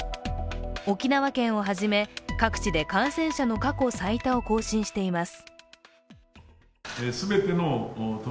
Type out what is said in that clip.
沖縄県をはじめ各地で感染者の過去最多を更新しています。